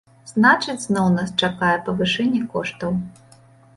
Значыць, зноў нас чакае павышэнне коштаў.